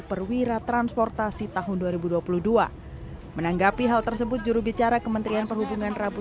perwira transportasi tahun dua ribu dua puluh dua menanggapi hal tersebut jurubicara kementerian perhubungan rabu